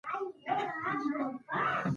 په دې کتاب کښې خورا په زړه پورې خبرې وې.